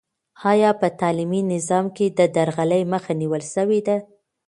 آیا په تعلیمي نظام کې د درغلۍ مخه نیول سوې ده؟